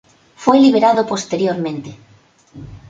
Fue liberado posteriormente.